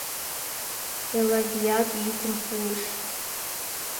— Элавият йӱкым пуыш.